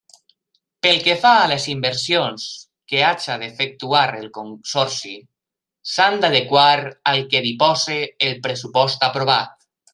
Pel que fa a les inversions que hagi d'efectuar el Consorci, s'han d'adequar al que disposi el pressupost aprovat.